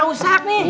tak usah nih